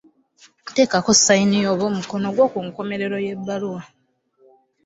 Teekako ssayini yo oba omukono gwo ku nkomerero y'ebbaluwa.